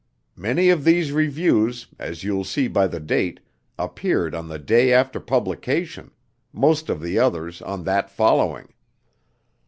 Many of these reviews, as you'll see by the date, appeared on the day after publication, most of the others on that following.